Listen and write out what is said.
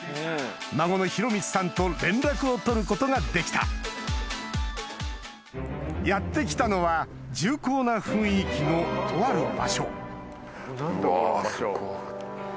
孫の弘光さんと連絡を取ることができたやって来たのは重厚な雰囲気のとある場所うわすごい。